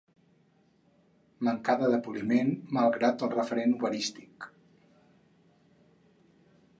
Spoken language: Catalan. Mancada de poliment, malgrat el referent operístic.